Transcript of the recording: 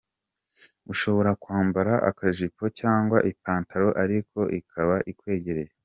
Ushobora kwambara akajipo cga ipantalo ariko ikaba ikwegereye.